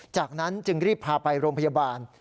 จากนั้นจึงรีบพาไปโรงพยาบาล